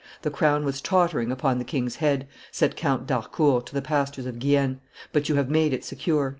"The crown was tottering upon the king's head," said Count d' Harcourt to the pastors of Guienne, "but you have made it secure."